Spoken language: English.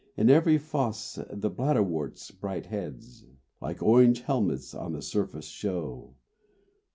In every fosse the bladderwort's bright heads Like orange helmets on the surface show.